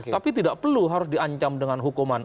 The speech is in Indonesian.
tapi tidak perlu harus diancam dengan hukuman